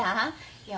いや。